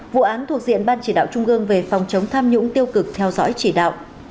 vụ án thuộc diện ban chỉ đạo trung ương về phòng chống tham nhũng tiêu cực theo dõi chỉ đạo